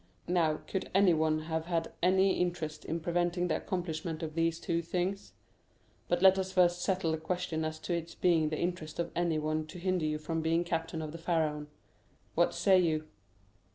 "Now, could anyone have had any interest in preventing the accomplishment of these two things? But let us first settle the question as to its being the interest of anyone to hinder you from being captain of the Pharaon. What say you?"